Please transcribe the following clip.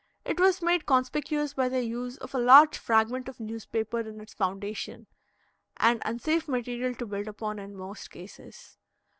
It was made conspicuous by the use of a large fragment of newspaper in its foundation an unsafe material to build upon in most cases.